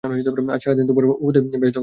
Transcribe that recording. আজ সারাদিন তোমার উপর দিয়ে বেশ ধকল গেছে।